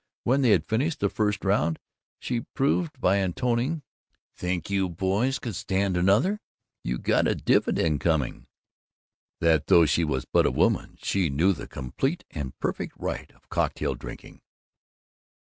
When they had finished the first round she proved by intoning "Think you boys could stand another you got a dividend coming" that, though she was but a woman, she knew the complete and perfect rite of cocktail drinking.